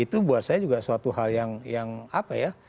itu buat saya juga suatu hal yang apa ya